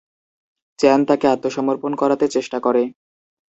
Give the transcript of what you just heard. চ্যান তাকে আত্মসমর্পণ করাতে চেষ্টা করে।